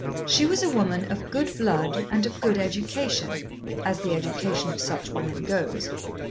She was a woman of good blood and of good education, as the education of such women goes.